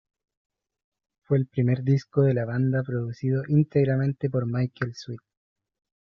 Fue el primer disco de la banda producido íntegramente por Michael Sweet.